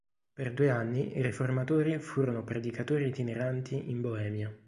Per due anni i riformatori furono predicatori itineranti in Boemia.